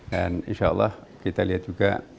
dan insya allah kita lihat juga